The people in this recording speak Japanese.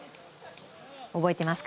覚えてますか？